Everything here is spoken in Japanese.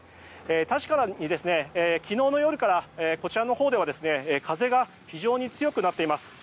確かに昨日の夜からこちらのほうでは風が非常に強くなっています。